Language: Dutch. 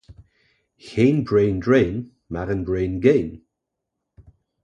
Geen brain drain maar een brain gain.